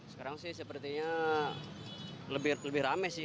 sekarang sih sepertinya lebih rame sih